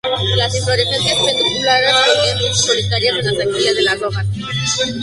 Las inflorescencias pedunculadas, colgantes, solitarias en las axilas de las hojas.